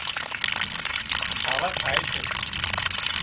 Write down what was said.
کاوا کائي سي